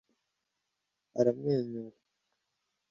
aramwenyura